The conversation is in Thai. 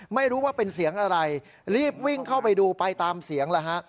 ไม่รู้ว่าเป็นเสียงอะไรรีบวิ่งเข้าไปดูไปตามเสียงแล้วฮะ